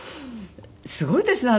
すごいですね